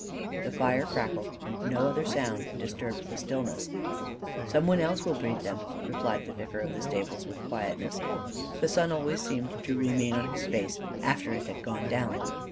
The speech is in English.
The fire crackled, and no other sound disturbed the stillness. "Some one else will breed them," replied the vicar of the stables, with quietness: the sun always seemed to remain on his face after it had gone down.